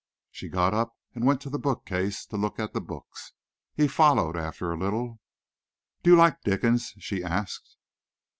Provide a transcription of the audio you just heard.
She got up and went to the bookcase to look at the books. He followed after a little. "Do you like Dickens?" she asked.